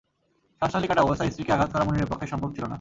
শ্বাসনালি কাটা অবস্থায় স্ত্রীকে আঘাত করা মনিরের পক্ষে সম্ভব ছিল না।